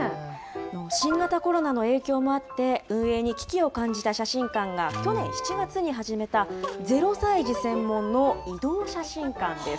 新型コロナの影響もあって、運営に危機を感じた写真館が去年７月に始めた、０歳児専門の移動写真館です。